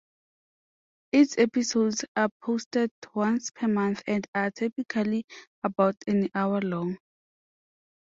Its episodes are posted once per month and are typically about an hour long.